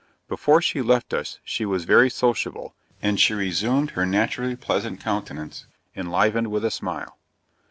Before she left us she was very sociable, and she resumed her naturally pleasant countenance, enlivened with a smile.